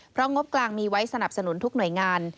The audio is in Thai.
เพราะงบกลางมีไว้สนับสนุนทุกหน่วยงาน